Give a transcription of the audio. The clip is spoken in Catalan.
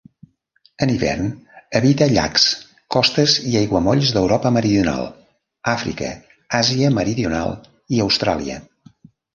En hivern habita llacs, costes i aiguamolls d'Europa meridional, Àfrica, Àsia Meridional i Austràlia.